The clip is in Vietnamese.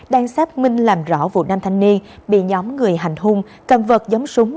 đang xác minh làm rõ vụ nam thanh niên bị nhóm người hành hung cầm vật giống súng